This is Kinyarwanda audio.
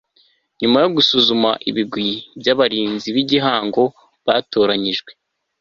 nyuma yo gusuzuma ibigwi by abarinzi b igihango batoranyijwe